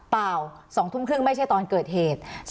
เปล่า๒ทุ่มครึ่งไม่ใช่ตอนเกิดเหตุ